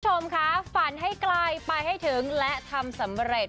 คุณผู้ชมคะฝันให้ไกลไปให้ถึงและทำสำเร็จ